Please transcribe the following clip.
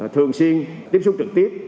thường xuyên tiếp xúc trực tiếp